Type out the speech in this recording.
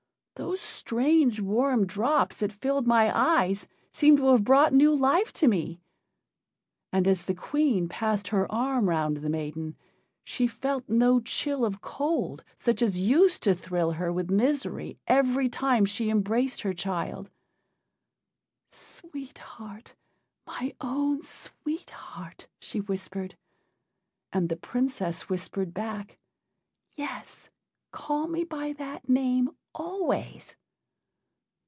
Those strange warm drops that filled my eyes seem to have brought new life to me," and as the Queen passed her arm round the maiden she felt no chill of cold such as used to thrill her with misery every time she embraced her child. "Sweet Heart! my own Sweet Heart!" she whispered. And the Princess whispered back, "Yes, call me by that name always."